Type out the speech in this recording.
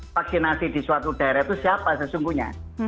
vaksinasi di suatu daerah itu siapa sesungguhnya